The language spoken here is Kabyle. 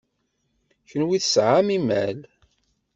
Kenwi tesɛam imal.